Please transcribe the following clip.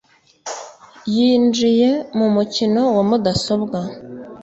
Yinjiye mu mukino wa mudasobwa.